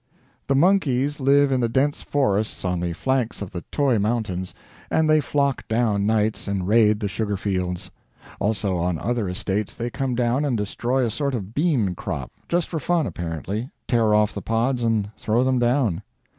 The monkeys live in the dense forests on the flanks of the toy mountains, and they flock down nights and raid the sugar fields. Also on other estates they come down and destroy a sort of bean crop just for fun, apparently tear off the pods and throw them down.